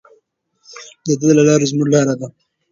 د ده لاره زموږ لاره ده.